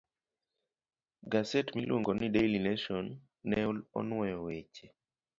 Gaset miluongo ni "Daily Nation" ne onwoyo weche